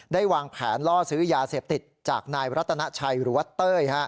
วางแผนล่อซื้อยาเสพติดจากนายรัตนาชัยหรือว่าเต้ย